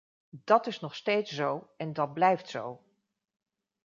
Dat is nog steeds zo en dat blijft zo.